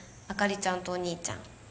あかりちゃんとお兄ちゃん。